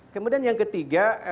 kemudian yang ketiga